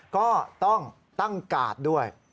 ก็ต้องตั้งกาดด้วย